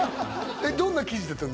どんな記事だったの？